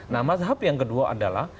nah mazhab yang kedua adalah